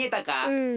うん。